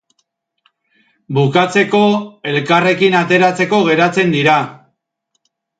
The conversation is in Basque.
Bukatzeko, elkarrekin ateratzeko geratzen dira.